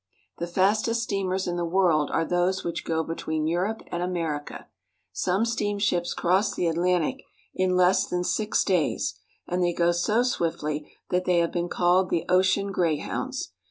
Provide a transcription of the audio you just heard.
The fastest steamers in the world are those which go between Europe and America. Some steamships cross the An Oc Atlantic in less than six days, and they go so swiftly that they, have been called the ocean greyhounds.